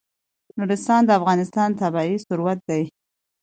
نورستان د افغانستان طبعي ثروت دی.